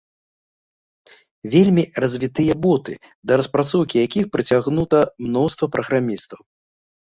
Вельмі развітыя боты, да распрацоўкі якіх прыцягнута мноства праграмістаў.